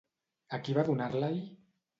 A qui va donar-la-hi?